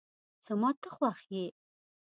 زما ته خوښ یی